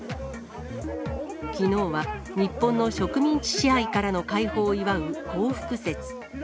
きのうは、日本の植民地支配からの解放を祝う光復節。